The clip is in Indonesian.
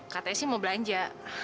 katanya sih mau belanja